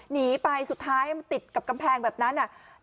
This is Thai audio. หนีไปสุดท้ายมันติดกับกำแพงแบบนั้น